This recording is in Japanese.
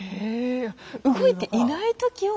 動いていない時を。